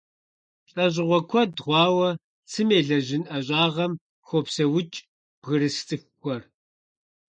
ЛӀэщӀыгъуэ куэд хъуауэ цым елэжьын ӀэщӀагъэм хопсэукӀ бгырыс цӀыхухэр.